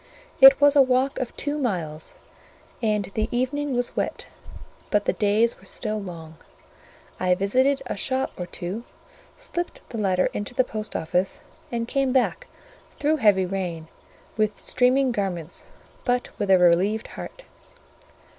It was a walk of two miles, and the evening was wet, but the days were still long; I visited a shop or two, slipped the letter into the post office, and came back through heavy rain, with streaming garments, but with a relieved heart.